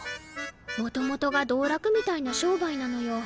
元々が道楽みたいな商売なのよ。